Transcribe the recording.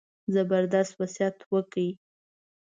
زبردست وصیت وکړ.